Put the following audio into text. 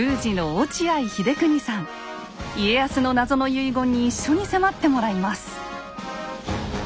家康の謎の遺言に一緒に迫ってもらいます。